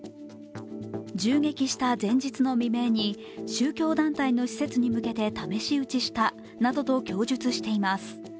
銃撃した前日の未明に宗教団体の施設に向けて試し撃ちしたなどと供述しています。